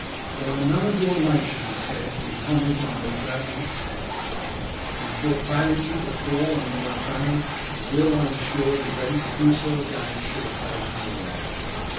"There are none of your nation," he said, "whose homage I more gladly accept. You fought valiantly before under my banner, and will, I am sure, be ready to do so again should occasion arise.